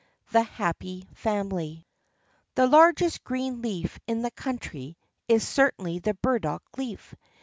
The Happy Family The largest green leaf in this country is certainly the burdock leaf.